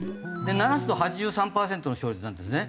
ならすと８３パーセントの勝率なんですね。